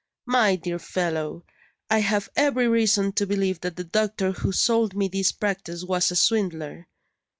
My dear fellow, I have every reason to believe that the doctor who sold me this practice was a swindler.